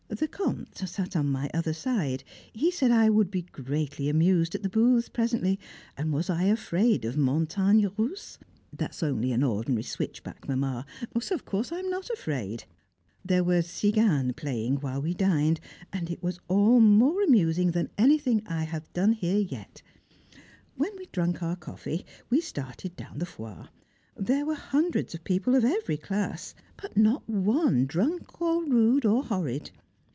The Comte sat on my other side; he said I would be greatly amused at the booths presently, and was I afraid of Montagnes Russes? That is only an ordinary switchback, Mamma, so of course I am not afraid. There were Tziganes playing while we dined, and it was all more amusing than anything I have done here yet. When we had drunk our coffee we started down the Foire. There were hundreds of people of every class, but not one drunk or rude or horrid.